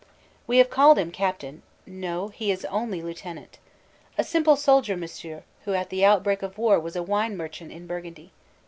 We have called him "Captain"; no, he is only lieutenant. "A simple soldier, Monsieur, who at the outbreak of war was a wine merchant in Burgundy.